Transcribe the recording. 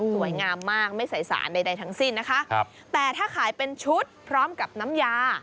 สวยงามมากไม่ใส่สารใดทั้งสิ้นนะคะครับแต่ถ้าขายเป็นชุดพร้อมกับน้ำยา